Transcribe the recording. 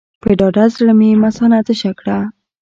په ډاډه زړه مې مثانه تشه کړه.